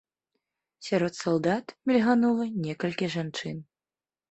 Сярод салдат мільганула некалькі жанчын.